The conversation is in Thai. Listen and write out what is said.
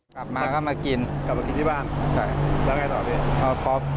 กลับมาก็มากินกลับมากินที่บ้านใช่แล้วไงต่อพี่เอาท็อป